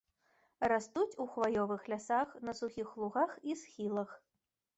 Растуць у хваёвых лясах, на сухіх лугах і схілах.